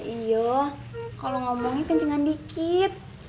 iya kalau ngomongnya kencengkan dikit